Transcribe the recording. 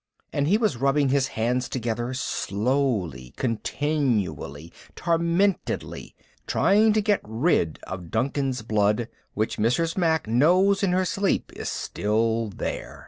And he was rubbing his hands together slowly, continually, tormentedly, trying to get rid of Duncan's blood which Mrs. Mack knows in her sleep is still there.